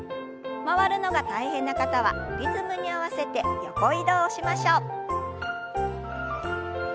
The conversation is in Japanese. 回るのが大変な方はリズムに合わせて横移動をしましょう。